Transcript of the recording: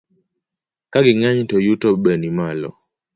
Ka ging'eny to yuto be nimalo,